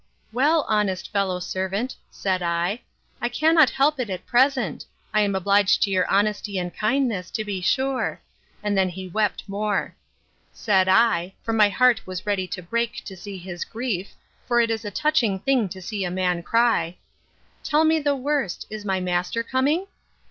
Well, honest fellow servant, said I, I cannot help it at present: I am obliged to your honesty and kindness, to be sure; and then he wept more. Said I, (for my heart was ready to break to see his grief; for it is a touching thing to see a man cry), Tell me the worst! Is my master coming?